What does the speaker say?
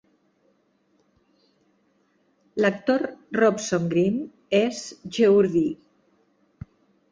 L'actor Robson Green és Geordie.